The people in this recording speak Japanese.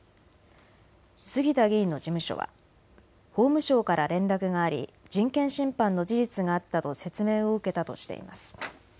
杉田議員の事務所は法務省から連絡があり人権侵犯の事実があったと説明を受けたとしています。